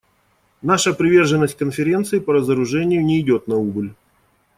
Наша приверженность Конференции по разоружению не идет на убыль.